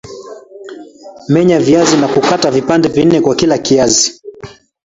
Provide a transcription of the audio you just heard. Menya viazi na kukata vipande nne kwa kila kiazi